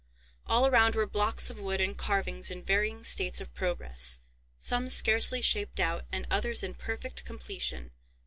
All around were blocks of wood and carvings in varying states of progress—some scarcely shaped out, and others in perfect completion.